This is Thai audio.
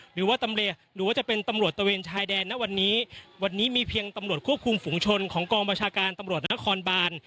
หรือว่าตำรวจหรือว่าจะเป็นตำรวจตะเวนชายแดนนะวันนี้วันนี้มีเพียงตำรวจควบคุมฝุงชนของกองบัญชาการตำรวจนครบาน